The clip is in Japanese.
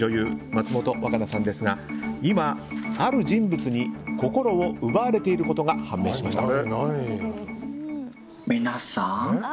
松本若菜さんですが今、ある人物に心を奪われていることが判明しました。